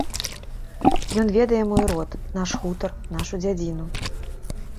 Ён ведае мой род, наш хутар, нашу дзядзіну.